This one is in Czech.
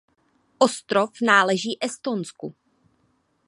Ostrov náleží Estonsku.